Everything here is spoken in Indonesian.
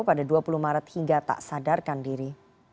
pada dua puluh maret hingga tak sadarkan diri